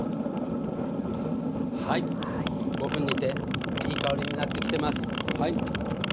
はい５分煮ていい香りになってきてます。